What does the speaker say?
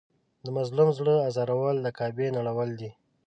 د مظلوم زړه ازارول د کعبې نړول دي.